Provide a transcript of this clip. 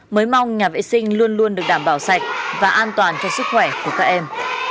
mới mong nhà vệ sinh luôn luôn được đảm bảo sạch và an toàn cho sức khỏe của các em